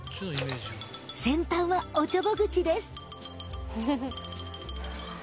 先端はおちょぼ口です